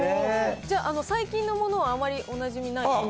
じゃあ、最近のものはあまりおなじみない？